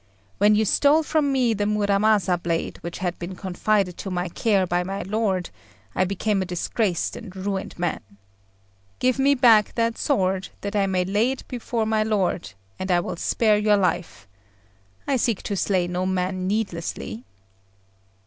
When you stole from me the Muramasa blade which had been confided to my care by my lord, I became a disgraced and ruined man. Give me back that sword, that I may lay it before my lord, and I will spare your life. I seek to slay no man needlessly."